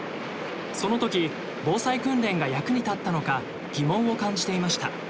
そのとき防災訓練が役に立ったのか疑問を感じていました。